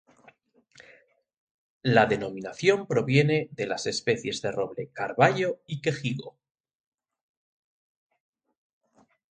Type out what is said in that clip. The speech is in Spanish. La denominación proviene de las especies de roble carballo y quejigo.